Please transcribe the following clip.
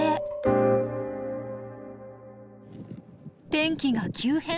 天気が急変！